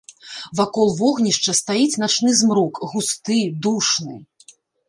Вакол вогнішча стаіць начны змрок, густы, душны.